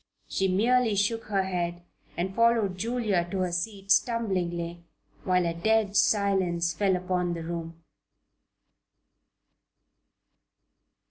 She merely shook her head and followed Julia to her seat, stumblingly, while a dead silence fell upon the room.